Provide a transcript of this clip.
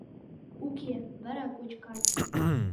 Уке, вара кочкат...